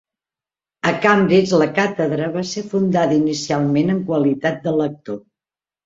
A Cambridge la càtedra va ser fundada inicialment en qualitat de lector.